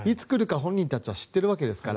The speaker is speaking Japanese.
本人たちは知っているわけですから。